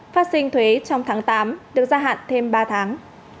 phát sinh thuế trong tháng tám được gia hạn thêm ba tháng